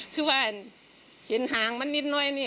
คือว่าเห็นหางมันนิดน้อยนี่